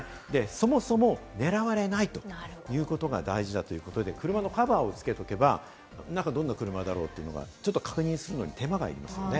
そもそも狙われないということが大事だということで、車のカバーをつけておけば、どんな車だろうというのが中を確認するのに手間がいりますね。